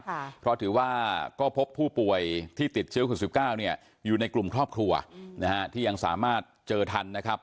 เพราะถือว่าก็พบผู้ป่วยที่ติดเชื้อ๖๙อยู่ในกลุ่มครอบครัวที่ยังสามารถเจอทันนะครับ